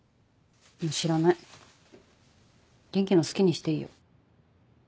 もう知らない元気の好きにしていいよ